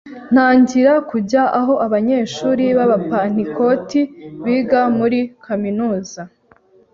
ntangira kujya aho abanyeshuri babapantikoti biga muri kaminuza